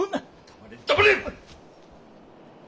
黙れ黙れ！